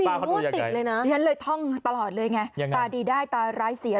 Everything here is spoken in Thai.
มั่วติดเลยนะฉันเลยท่องตลอดเลยไงตาดีได้ตาร้ายเสีย